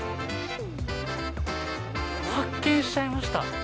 発見しちゃいました。